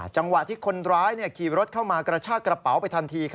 จังหวะที่คนร้ายขี่รถเข้ามากระชากระเป๋าไปทันที